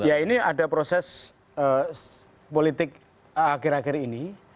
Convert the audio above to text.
ya ini ada proses politik akhir akhir ini